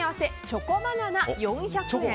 チョコバナナ、４００円。